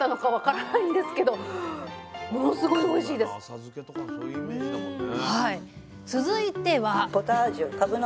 浅漬けとかそういうイメージだもんね。